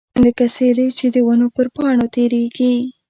لکه سیلۍ چې د ونو پر پاڼو تیریږي.